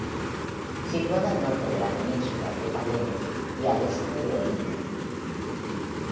Situada al norte de la península de Palene y al este de Olinto.